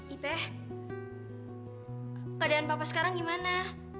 ipe keadaan papa sekarang gimana